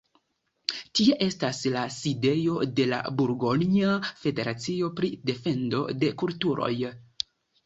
Tie estas la sidejo de la burgonja federacio pri defendo de kulturoj.